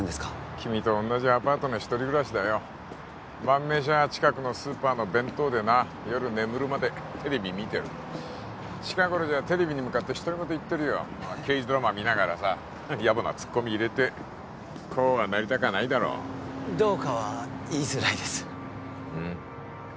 君と同じアパートの一人暮らしだよ晩飯は近くのスーパーの弁当でな夜眠るまでテレビ見てる近頃じゃテレビに向かって独り言言ってるよ刑事ドラマ見ながらさヤボなツッコミ入れてこうはなりたかないだろどうかは言いづらいですうん